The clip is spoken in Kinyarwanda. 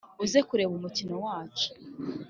uze kureba umukino wacu